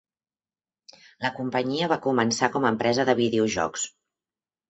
La companyia va començar com a empresa de videojocs.